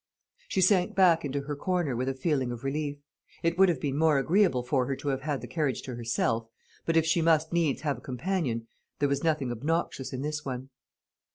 She sank back into her corner with a feeling of relief. It would have been more agreeable for her to have had the carriage to herself; but if she must needs have a companion, there was nothing obnoxious in this one.